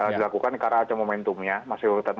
dilakukan karena ada momentumnya